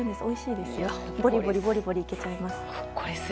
おいしいですよ。